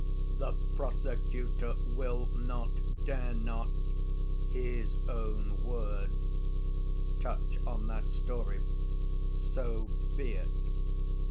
The prosecutor will not, dare not (his own words) touch on that story. So be it.